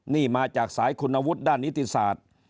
นี่มาจากสายคุณวุฒิด้านนิติศาสตร์